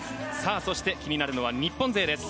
そして、気になるのは日本勢です。